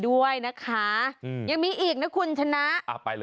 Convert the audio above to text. ก็อย่างนั้นแหละ